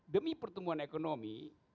demi pertumbuhan ekonomi